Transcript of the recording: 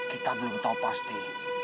kita belum tahu pasti